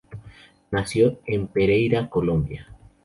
Nació en Pereira, Colombia.